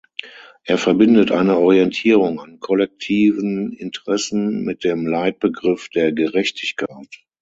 Er verbindet eine Orientierung an kollektiven Interessen mit dem Leitbegriff der Gerechtigkeit.